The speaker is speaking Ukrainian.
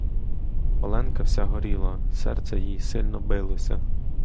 Оленка вся горіла, серце їй сильно билося.